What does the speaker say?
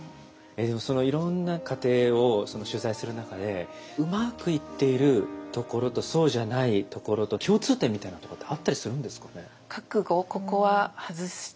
でもそのいろんな家庭を取材する中でうまくいっているところとそうじゃないところと共通点みたいなとこってあったりするんですかね。